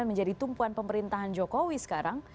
menjadi tumpuan pemerintahan jokowi sekarang